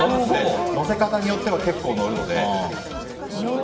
乗せ方によっては結構乗るので。